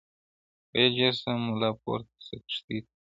ویل ژر سه مُلا پورته سه کښتۍ ته٫